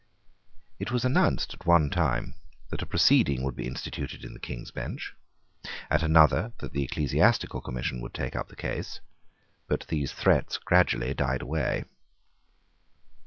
It was announced at one time that a proceeding would be instituted in the King's Bench, at another that the Ecclesiastical Commission would take up the case: but these threats gradually died away.